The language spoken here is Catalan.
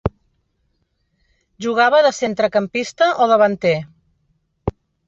Jugava de centrecampista o davanter.